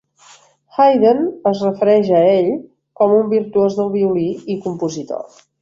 Haydn es refereix a ell com un virtuós del violí i compositor.